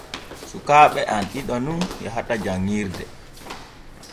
Sukaaɓe am ɗiɗo nun yahata janŋirde.